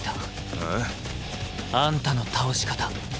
ああ？あんたの倒し方。